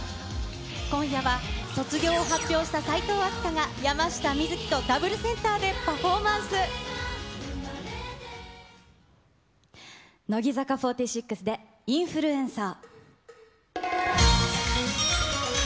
今夜は卒業を発表した齋藤飛鳥が、山下みずきとダブルセンターでパ乃木坂４６でインフルエンサー。